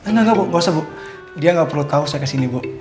enggak bu gak usah bu dia nggak perlu tahu saya kesini bu